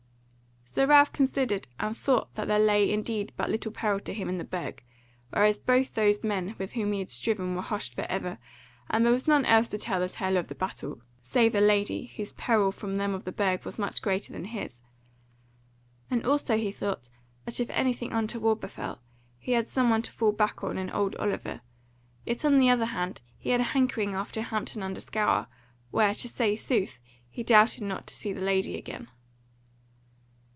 So Ralph considered and thought that there lay indeed but little peril to him in the Burg, whereas both those men with whom he had striven were hushed for ever, and there was none else to tell the tale of the battle, save the lady, whose peril from them of the Burg was much greater than his; and also he thought that if anything untoward befel, he had some one to fall back on in old Oliver: yet on the other hand he had a hankering after Hampton under Scaur, where, to say sooth, he doubted not to see the lady again.